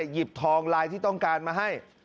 หยิบทองไลน์ที่ต้องการมาให้